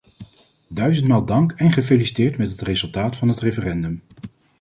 Duizendmaal dank en gefeliciteerd met het resultaat van het referendum!